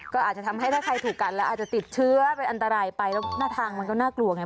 ก็อาจจะทำให้ถ้าใครถูกกันแล้วอาจจะติดเชื้อเป็นอันตรายไปแล้วหน้าทางมันก็น่ากลัวไง